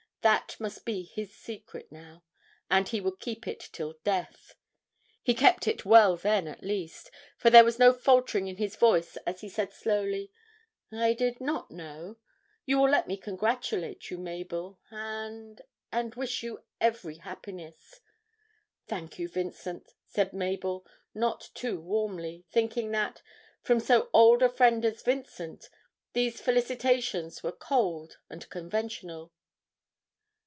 That must be his secret now, and he would keep it till death. He kept it well then at least, for there was no faltering in his voice as he said slowly, 'I did not know. You will let me congratulate you, Mabel, and and wish you every happiness.' 'Thank you, Vincent,' said Mabel not too warmly, thinking that, from so old a friend as Vincent, these felicitations were cold and conventional.